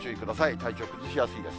体調崩しやすいです。